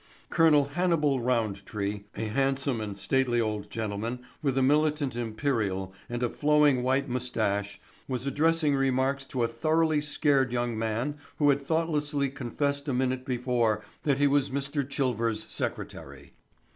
Col. Hannibal Roundtree, a handsome and stately old gentleman with a militant imperial and a flowing white moustache, was addressing remarks to a thoroughly scared young man who had thoughtlessly confessed a minute before that he was Mr. Chilver's secretary.